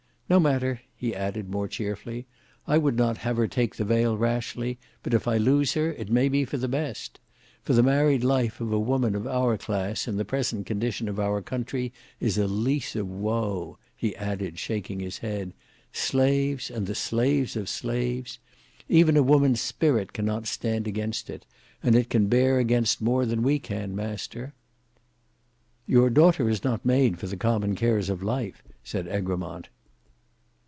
No matter," he added more cheerfully; "I would not have her take the veil rashly, but if I lose her it may be for the best. For the married life of a woman of our class in the present condition of our country is a lease of woe," he added shaking his head, "slaves, and the slaves of slaves? Even woman's spirit cannot stand against it; and it can bear against more than we can, master." "Your daughter is not made for the common cares of life," said Egremont.